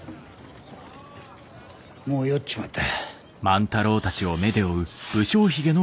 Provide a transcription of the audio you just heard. もう酔っちまった。